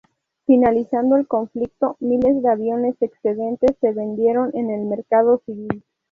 Finalizando el conflicto, miles de aviones excedentes se vendieron en el mercado civil.